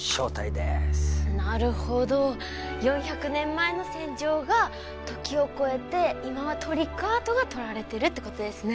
でーすなるほど４００年前の戦場が時を超えて今はトリックアートが撮られてるってことですね